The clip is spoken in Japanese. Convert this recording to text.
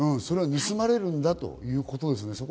盗まれるんだということですね。